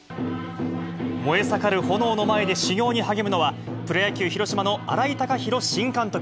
燃え盛る炎の前で修行に励むのは、プロ野球・広島の新井貴浩新監督。